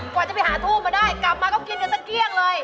กว่าจะไปหาทูบมาได้กลับมาก็กินกันสักเที่ยงเลย